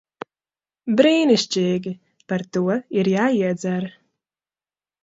Brīnišķīgi. Par to ir jāiedzer.